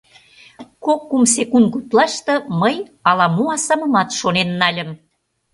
Кок-кум секунд гутлаште мый ала-мо асамымат шонен нальым.